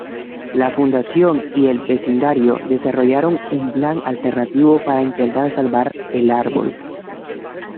La Fundación y el vecindario desarrollaron un plan alternativo para intentar salvar el árbol.